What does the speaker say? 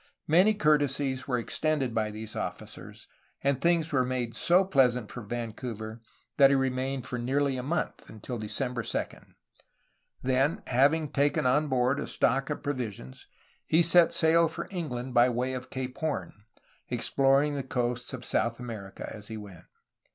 Many courtesies were extended by these officers, and things were made so pleasant for Van couver that he remained for nearly a month, until December 2. Then, having taken on board a stock of provisions, he set sail for England by way of Cape Horn, exploring the coasts of South America as he went.